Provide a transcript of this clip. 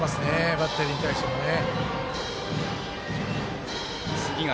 バッテリーに対してもね。